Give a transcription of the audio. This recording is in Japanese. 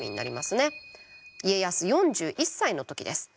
家康４１歳の時です。